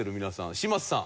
嶋佐さん。